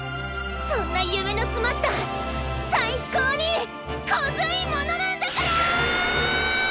そんなゆめのつまったさいこうにコズいものなんだから！